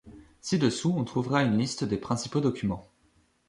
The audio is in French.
Ci-dessous on trouvera une liste des principaux documents.